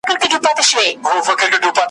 یو ناڅاپه یو ماشوم راغی له پاسه `